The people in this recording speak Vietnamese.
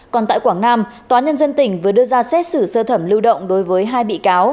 còn tại quảng nam tòa nhân dân tỉnh vừa đưa ra xét xử sơ thẩm lưu động đối với hai bị cáo